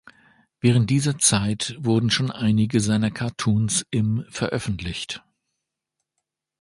Während dieser Zeit wurden schon einige seiner Cartoons im veröffentlicht.